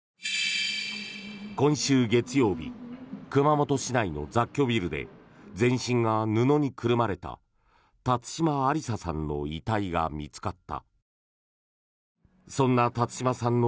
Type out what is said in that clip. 今週月曜日熊本市内の雑居ビルで全身が布にくるまれた辰島ありささんの遺体が見つかった。